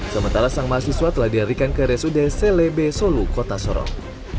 sementara sang mahasiswa telah diharikan ke resude selebe solu kota sorong